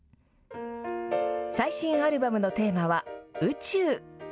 最新アルバムのテーマは宇宙。